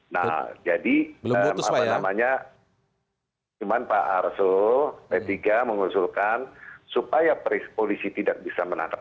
nah jadi namanya cuma pak arso t tiga mengusulkan supaya polisi tidak bisa menatap